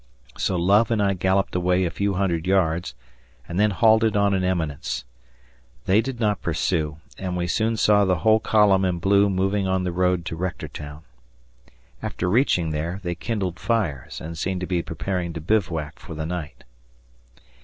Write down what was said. So Love and I galloped away a few hundred yards and then halted on an eminence. They did not pursue, and we soon saw the whole column in blue moving on the road to Rectortown. After reaching there, they kindled fires and seemed to be preparing to bivouac for the night.